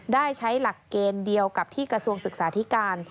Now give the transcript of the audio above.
ได้ใช้หลักเกณฑ์เดียวกับที่กระทรวงศึกษาธิการ